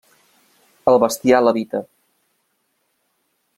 El bestiar l'evita.